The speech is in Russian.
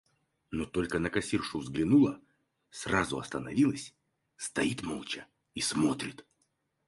Но только на кассиршу взглянула, сразу остановилась, стоит молча и смотрит.